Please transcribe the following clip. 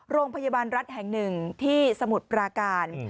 โรงพยาบาลรัฐแห่งหนึ่งที่สมุทรปราการ